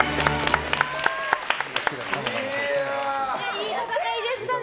いい戦いでしたね。